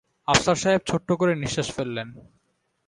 আফসার সাহেব ছোট্ট করে নিঃশ্বাস ফেললেন।